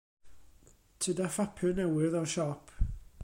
Tyd â phapur newydd o'r siop.